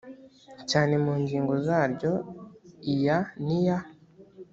cyane mu ngingo zaryo iya n iya